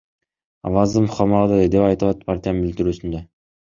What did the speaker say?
Авазов камалды, — деп айтылат партиянын билдирүүсүндө.